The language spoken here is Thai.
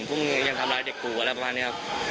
พรุ่งนี้ยังทำร้ายเด็กกูอะไรประมาณนี้ครับ